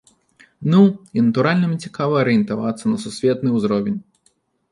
Ну, і натуральна мне цікава арыентавацца на сусветны ўзровень.